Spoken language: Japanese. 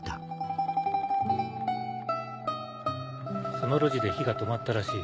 その路地で火が止まったらしい。